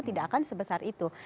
tidak akan sebesar itu